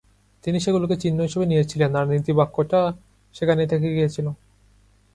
তিনি সেগুলোকে চিহ্ন হিসেবে নিয়েছিলেন আর নীতিবাক্যটা সেখানেই থেকে গিয়েছিল।